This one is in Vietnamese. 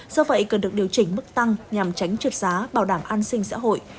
do vậy cần được điều chỉnh mức tăng nhằm tránh trượt giá bảo đảm an sinh xã hội